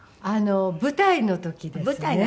舞台の時ですね。